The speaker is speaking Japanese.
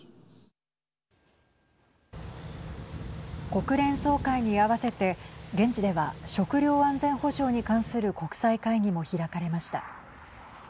国連総会にあわせて現地では、食料安全保障に関する国際会議も開かれました。